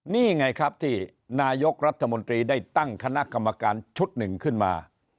นี่ไงครับที่นายกรัฐมนตรีได้ตั้งคณะกรรมการชุดหนึ่งขึ้นมา